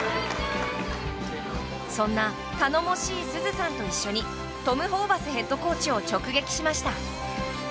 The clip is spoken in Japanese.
そんな頼もしいすずさんと一緒にトム・ホーバスヘッドコーチを直撃しました。